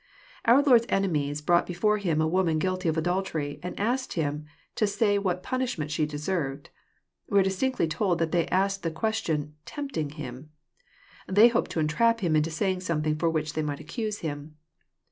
Our Lord's enemies brought before Him a woman guilty of adultery, and asked him to say what punishment she deserved. We are distinctly told that they asked the ques tion, " tempting Him."* They hoped to entrap Him into raying something for which they might accuse Him.